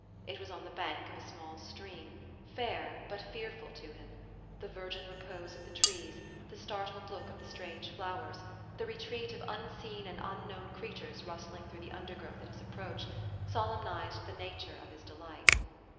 It was on the bank of a small stream, fair but fearful to him. The virgin repose of the trees, the startled look of the strange flowers, the retreat of unseen and un known creatures rustling through the undergrowth at his approach, solemnized the nature of his de light.